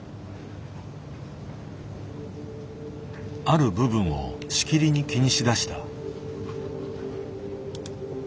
ある部分をしきりに気にしだした。